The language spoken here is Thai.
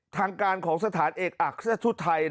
ทางการของสถานเอกอักษฎุทัย